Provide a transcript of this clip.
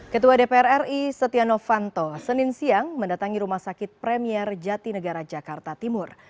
ketua dpr ri setia novanto senin siang mendatangi rumah sakit premier jatinegara jakarta timur